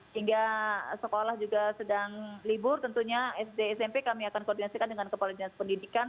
hingga sekolah juga sedang libur tentunya sd smp kami akan koordinasikan dengan kepala dinas pendidikan